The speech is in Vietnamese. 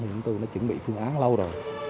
thì chúng tôi đã chuẩn bị phương án lâu rồi